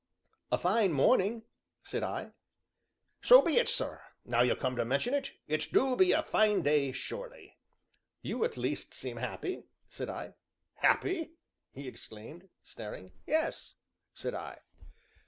"A fine morning!" said I. "So it be, sir, now you come to mention it, it do be a fine day surely." "You, at least seem happy," said I. "Happy?" he exclaimed, staring. "Yes," said I.